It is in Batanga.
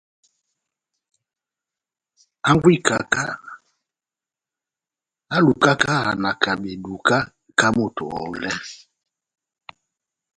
Hangwɛ y'ikaka ehálukaka iyàna beduka ká moto oŋòhòlɛ.